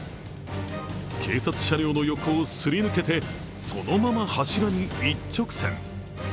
警察車両の横をすり抜けてそのまま柱に一直線。